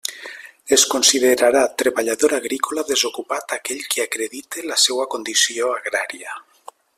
Es considerarà treballador agrícola desocupat aquell que acredite la seua condició agrària.